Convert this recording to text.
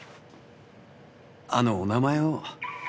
あのお名前を。